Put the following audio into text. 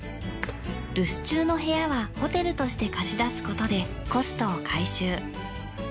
留守中の部屋はホテルとして貸し出すことでコストを回収。